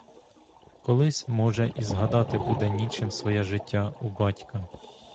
Колись, може, і згадати буде нічим своє життя у батька.